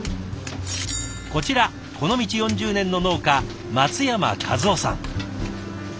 こちらこの道４０年の農家松山一男さん。